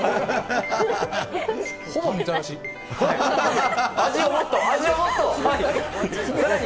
ほぼみたらし。